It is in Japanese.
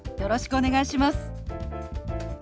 よろしくお願いします。